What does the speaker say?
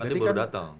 kan dia baru datang